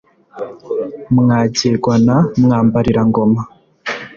mwagirwa na mwambarira-ngoma